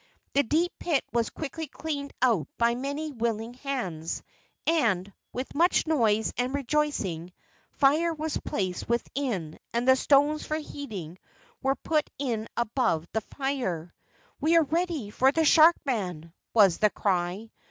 The deep pit was quickly cleaned out by many willing hands, and, with much noise and rejoicing, fire was placed within and the stones for heating were put in above the fire. "We are ready for the shark man," was the cry.